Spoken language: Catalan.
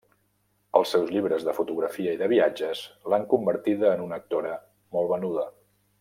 Els seus llibres de fotografia i de viatges l'han convertida en una actora molt venuda.